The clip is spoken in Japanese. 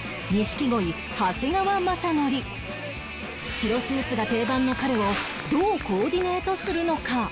白スーツが定番の彼をどうコーディネートするのか？